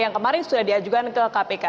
yang kemarin sudah diajukan ke kpk